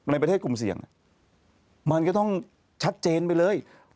ในประเทศกลุ่มเสี่ยงมันก็ต้องชัดเจนไปเลย